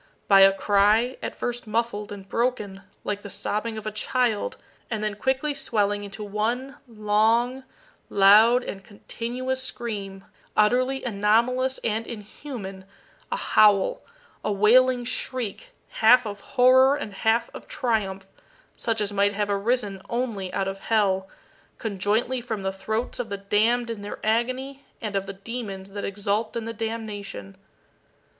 by a cry, at first muffled and broken, like the sobbing of a child, and then quickly swelling into one long, loud, and continuous scream, utterly anomalous and inhuman a howl a wailing shriek, half of horror and half of triumph, such as might have arisen only out of hell, conjointly from the throats of the damned in their agony and of the demons that exult in the damnation.